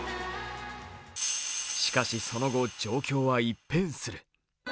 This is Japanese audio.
しかしその後、状況は一変する。